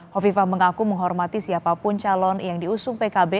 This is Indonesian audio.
hovifah mengaku menghormati siapapun calon yang diusung pkb